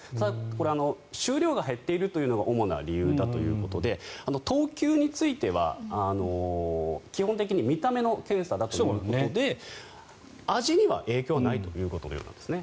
これ、収量が減っているというのが主な理由だということで等級については基本的に見た目の検査だということで味には影響ないということのようですね。